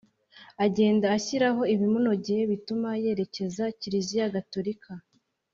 agenda ashyiraho ibimunogeye bituma yerekeza Kiriziya gatorika